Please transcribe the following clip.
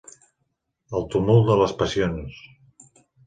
El tumult de les passions.